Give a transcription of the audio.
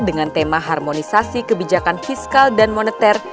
dengan tema harmonisasi kebijakan fiskal dan moneter